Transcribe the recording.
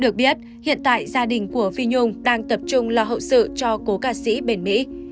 được biết hiện tại gia đình của phi nhung đang tập trung lo hậu sự cho cố ca sĩ bền mỹ